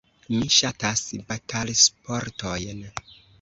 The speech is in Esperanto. Mi ŝatas batalsportojn.